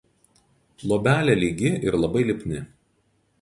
Luobelė lygi ir labai lipni.